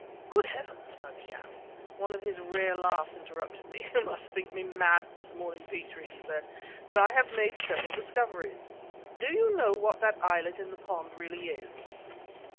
"Good heavens!" I began One of his rare laughs interrupted me. "You must think me mad this morning, Petrie!" he said. "But I have made several discoveries. Do you know what that islet in the pond really is?"